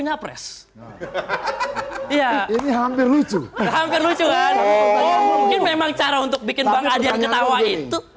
nyapres iya ini hampir lucu lucu kan oh ini memang cara untuk bikin banget aja ketawa itu